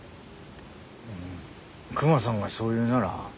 うんクマさんがそう言うなら。